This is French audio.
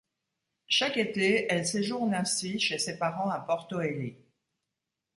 Chaque été, elle séjourne ainsi chez ses parents à Porto Heli.